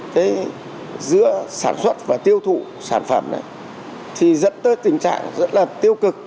thế giữa sản xuất và tiêu thụ sản phẩm này thì dẫn tới tình trạng rất là tiêu cực